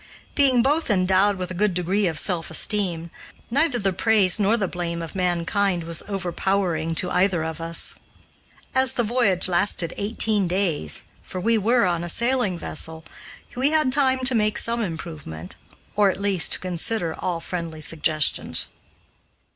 Being both endowed with a good degree of self esteem, neither the praise nor the blame of mankind was overpowering to either of us. As the voyage lasted eighteen days for we were on a sailing vessel we had time to make some improvement, or, at least, to consider all friendly suggestions.